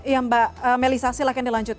ya mbak melisa silahkan dilanjut